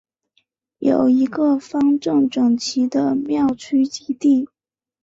有一个方正整齐的庙区基地。